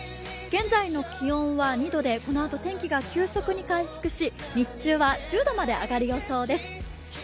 現在の気温は２度でこのあと天気が急速に回復し日中は１０度まで上がる予想です。